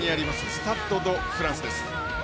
スタッド・ド・フランスです。